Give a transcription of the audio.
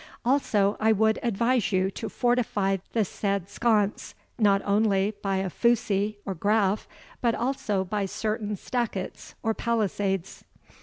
Also, I would advise you to fortify the said sconce, not only by a foussie, or graffe, but also by certain stackets, or palisades."